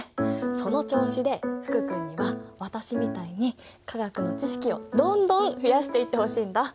その調子で福君には私みたいに化学の知識をどんどん増やしていってほしいんだ！